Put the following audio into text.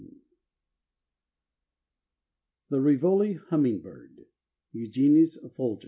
] THE RIVOLI HUMMINGBIRD. (_Eugenes fulgens.